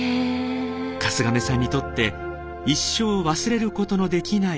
春日亀さんにとって一生忘れることのできない出会いでした。